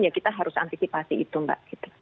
ya kita harus antisipasi itu mbak